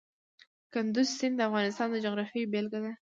کندز سیند د افغانستان د جغرافیې بېلګه ده.